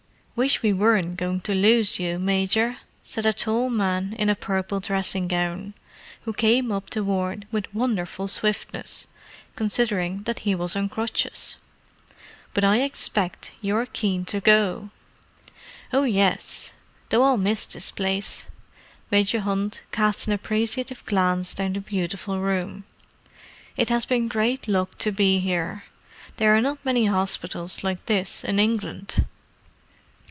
"Wish we weren't going to lose you, Major," said a tall man in a purple dressing gown, who came up the ward with wonderful swiftness, considering that he was on crutches. "But I expect you're keen to go." "Oh, yes; though I'll miss this place." Major Hunt cast an appreciative glance down the beautiful room. "It has been great luck to be here; there are not many hospitals like this in England.